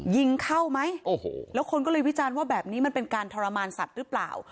ยิงเข้าไหมโอ้โหแล้วคนก็เลยวิจารณ์ว่าแบบนี้มันเป็นการทรมานสัตว์หรือเปล่า